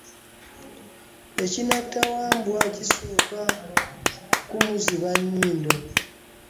Ekinatta wambwa kisooka kimuziba nnyindo.